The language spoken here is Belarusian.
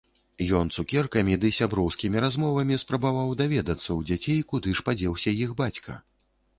Ён цукеркамі ды сяброўскімі размовамі спрабаваў даведацца ў дзяцей, куды ж падзеўся іх бацька.